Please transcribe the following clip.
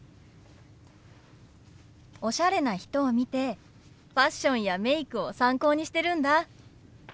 おしゃれな人を見てファッションやメイクを参考にしてるんだ。